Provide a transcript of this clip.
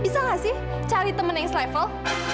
bisa gak sih cari temen yang selevel